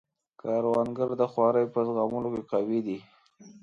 کروندګر د خوارۍ په زغملو کې قوي دی